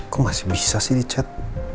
kok masih bisa sih di chat